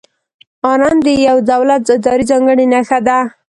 آرم د یو دولت، ادارې ځانګړې نښه ده.